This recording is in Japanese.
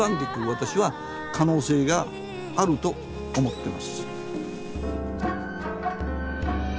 私は可能性があると思ってます。